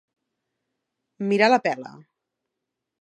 Mirar la pela.